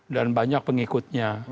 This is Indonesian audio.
dan banyak pengikutnya